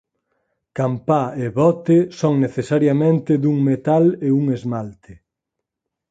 Campá e bote son necesariamente dun metal e un esmalte.